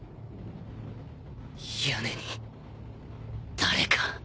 屋根に誰か